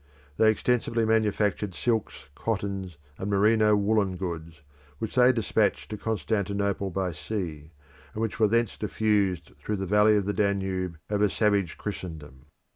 They extensively manufactured silks, cottons, and merino woollen goods, which they despatched to Constantinople by sea, and which were thence diffused through the valley of the Danube over savage Christendom.